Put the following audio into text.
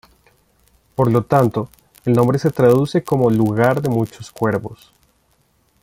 Por lo tanto, el nombre se traduce como "lugar de muchos cuervos".